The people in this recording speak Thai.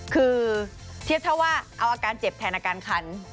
คือเทียบเท่าว่าเอาอาการเจ็บแทนอาการคัน